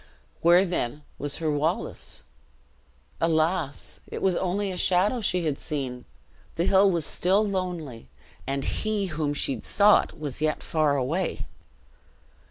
Where then was her Wallace? Alas! it was only a shadow she had seen! the hill was still lonely, and he whom she sought was yet far away!